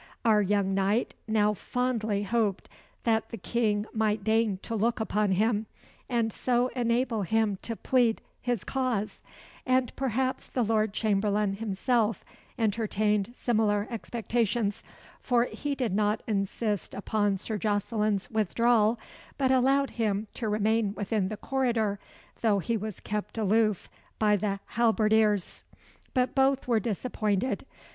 Our young knight now fondly hoped that the King might deign to look upon him, and so enable him to plead his cause; and perhaps the Lord Chamberlain himself entertained similar expectations, for he did not insist upon Sir Jocelyn's withdrawal, but allowed him to remain within the corridor, though he was kept aloof by the halberdiers. But both were disappointed.